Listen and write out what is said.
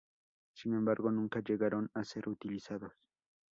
Sin embargo, nunca llegaron a ser utilizados.